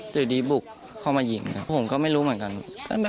สีดีบุกเขามาหยิงผมก็ไม่รู้เหมือนกัน